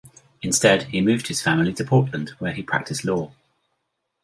Instead, he moved his family to Portland where he practiced law.